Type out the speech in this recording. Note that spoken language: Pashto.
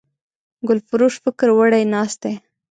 ګلفروش فکر وړی ناست دی